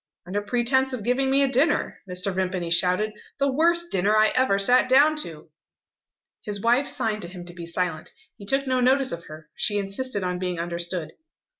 "Under pretence of giving me a dinner," Mr. Vimpany shouted "the worst dinner I ever sat down to!" His wife signed to him to be silent. He took no notice of her. She insisted on being understood.